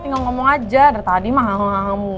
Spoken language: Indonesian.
tinggal ngomong aja udah tadi mah kamu kamu